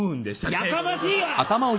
やかましいわ！